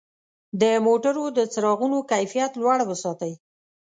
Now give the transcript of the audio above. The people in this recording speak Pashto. د موټرو د څراغونو کیفیت لوړ وساتئ.